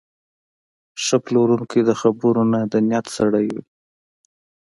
ښه پلورونکی د خبرو نه، د نیت سړی وي.